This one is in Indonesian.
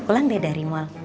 pulang deh dari mal